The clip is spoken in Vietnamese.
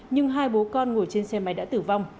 nhưng hai bố con ngồi trên xe máy đã tử vong